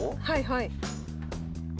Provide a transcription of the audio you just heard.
はいはい。